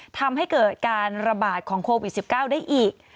ทำให้เกิดการระบาดของโควิด๑๙ได้อีก